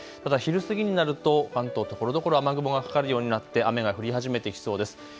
ただ昼過ぎになると関東ところどころ雨雲がかかるようになって雨が降り始めてきそうです。